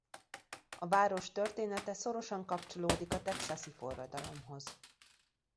A város története szorosan kapcsolódik a texasi forradalomhoz.